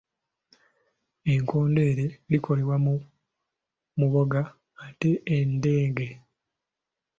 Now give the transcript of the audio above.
Ekkondeere likolebwa mu muboga ate eddenge?